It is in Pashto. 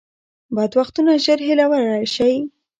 بد وختونه ژر هېرولی شئ .